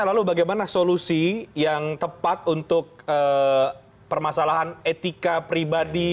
lalu bagaimana solusi yang tepat untuk permasalahan etika pribadi